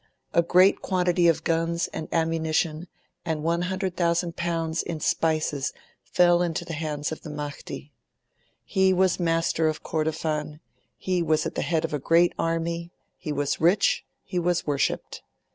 A great quantity of guns and ammunition and L100,000 in spices fell into the hands of the Mahdi. He was master of Kordofan: he was at the head of a great army; he was rich; he was worshipped.